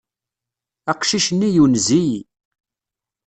Aqcic-nni yunez-iyi.